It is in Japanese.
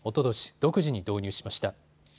独自に導入しました。